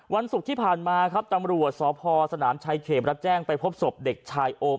วันศุกร์ที่ผ่านมาครับตำรวจสพสนามชายเขตรับแจ้งไปพบศพเด็กชายโอม